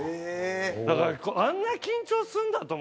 だからあんな緊張するんだと思って。